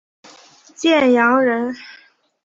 建阳人。